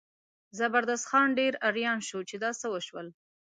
زبردست خان ډېر اریان شو چې دا څه وشول.